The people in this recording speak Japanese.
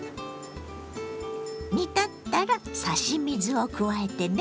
煮立ったら差し水を加えてね。